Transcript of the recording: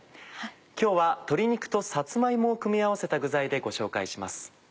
今日は鶏肉とさつま芋を組み合わせた具材でご紹介します。